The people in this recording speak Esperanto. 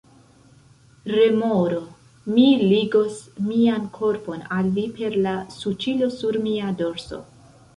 Remoro: "Mi ligos mian korpon al vi per la suĉilo sur mia dorso!"